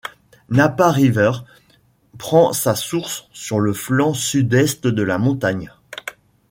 Napa River prend sa source sur le flanc sud-est de la montagne.